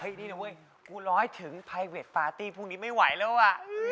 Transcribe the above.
เห้ยนี่นะเว้ยกูรอให้ถึงไพเปดฟาร์ที่พรุ่งนี้ไม่ไหวแล้วอะ